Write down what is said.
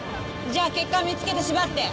じゃあ血管見つけてしばって。